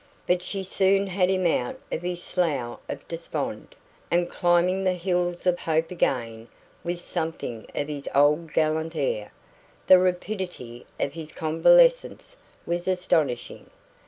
But she soon had him out of his slough of despond, and climbing the hills of hope again with something of his old gallant air. The rapidity of his convalescence was astonishing.